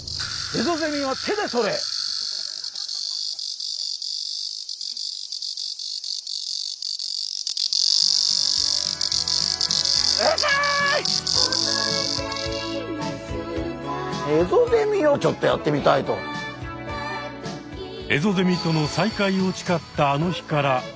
エゾゼミとの再会をちかったあの日から１０６２日。